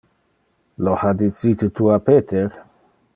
Lo ha dicite tu a Peter?